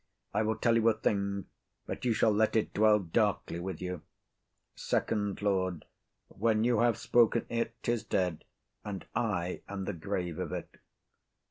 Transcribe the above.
I will tell you a thing, but you shall let it dwell darkly with you. FIRST LORD. When you have spoken it, 'tis dead, and I am the grave of it.